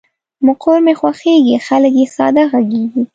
مقر مې خوښېږي، خلګ یې ساده غږیږي.